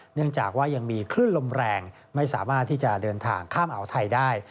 เนื่องจากว่ายังมีคลื่นลมแรงไม่สามารถที่จะเดินทางข้ามอ่าวไทยได้